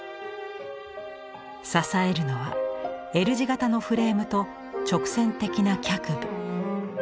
支えるのはＬ字形のフレームと直線的な脚部。